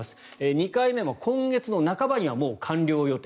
２回目も今月の半ばにはもう完了予定。